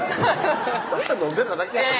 ただ飲んでただけやろ？